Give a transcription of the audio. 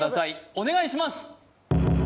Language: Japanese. お願いします